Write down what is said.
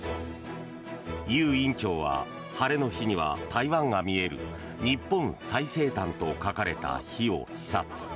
ユウ院長は晴れの日には台湾が見える日本最西端と書かれた碑を視察。